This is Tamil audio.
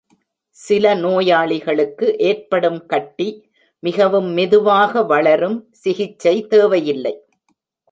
சில நோயாளிகளுக்கு ஏற்படும் கட்டி, மிகவும் மெதுவாக வளரும் சிகிச்சை தேவையில்லை.